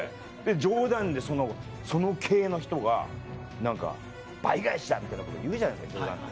冗談でその系の人が「倍返しだ」みたいなこと言うじゃないですか冗談で。